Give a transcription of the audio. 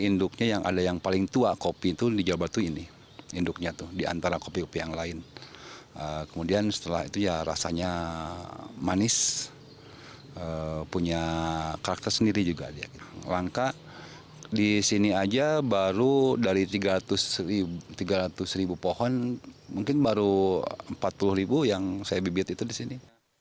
mungkin baru rp empat puluh yang saya bibit itu di sini